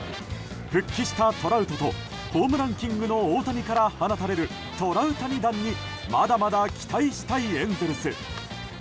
復帰したトラウトとホームランキングの大谷から放たれるトラウタニ弾にまだまだ期待したいエンゼルス。